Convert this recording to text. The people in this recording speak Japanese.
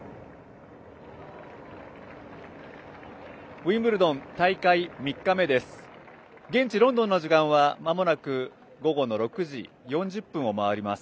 ウィンブルドン大会３日目です。